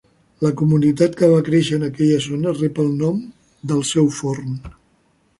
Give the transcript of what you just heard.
La comunitat que va créixer en aquella zona rep el nom del seu forn.